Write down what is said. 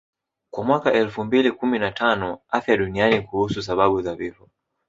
Kwa mwaka elfu mbili kumi na tano Afya duniani kuhusu sababu za vifo